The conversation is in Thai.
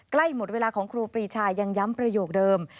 ใกล้หมดเวลาของครูปรีชายังย้ำประโยคเดิม